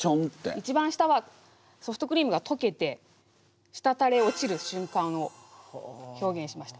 一番下はソフトクリームがとけてしたたり落ちる瞬間を表現しました。